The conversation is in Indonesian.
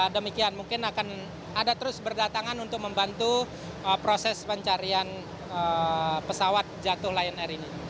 demikian mungkin akan ada terus berdatangan untuk membantu proses pencarian pesawat jatuh lion air ini